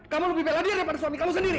kamu lebih bela diri daripada suami kamu sendiri